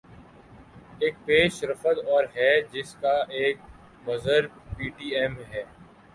ایک پیش رفت اور ہے جس کا ایک مظہر پی ٹی ایم ہے۔